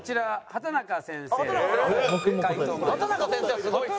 畠中先生はすごいですからね。